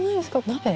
鍋？